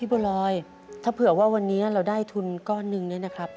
บัวรอยถ้าเผื่อว่าวันนี้เราได้ทุนก้อนหนึ่งเนี่ยนะครับ